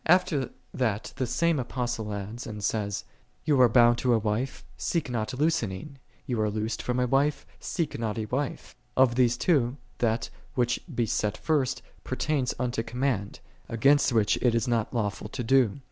After that the same Apostle adds, and says, "Thou art bound to a wife, seek not loosening: thou art loosed from a wife, seek not a wife."5 Of these two, that, which he set first, pertains unto command, against which it is not lawful to do.